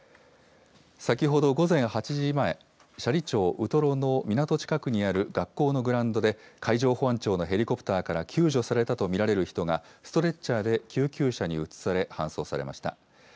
先ほど午前８時前、斜里町ウトロの港近くにある学校のグラウンドで海上保安庁のヘリコプターから、救助されたと見られる人がストレッチャーで救急車に移され、搬送されました。